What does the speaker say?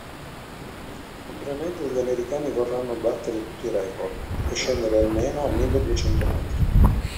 Naturalmente gli americani vorranno battere tutti i record e scendere almeno a milleduecento metri.